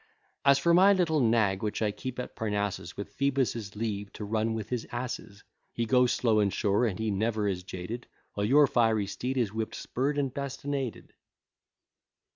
As for my little nag, which I keep at Parnassus, With Phoebus's leave, to run with his asses, He goes slow and sure, and he never is jaded, While your fiery steed is whipp'd, spurr'd, bastinaded.